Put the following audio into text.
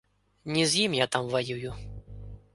Не з ім я там ваюю.